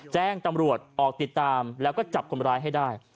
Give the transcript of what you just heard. แจ้งตำรวจออกติดตามแล้วก็จับคนร้ายให้ได้